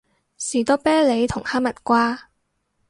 士多啤梨同哈蜜瓜